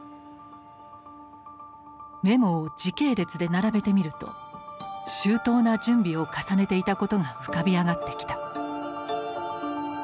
メモを時系列で並べてみると周到な準備を重ねていたことが浮かび上がってきた。